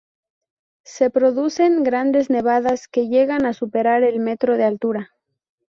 Se producen grandes nevadas que llegan a superar el metro de altura.